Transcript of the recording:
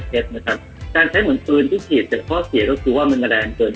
เช็ดนะครับแต่ใช้เหมือนพื้นที่ฉีดแต่ข้อเสียก็คือว่ามันแรงเกิน